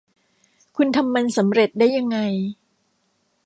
คุณทำมันสำเร็จได้ยังไง